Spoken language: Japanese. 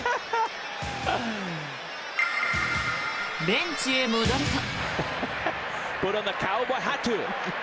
ベンチへ戻ると。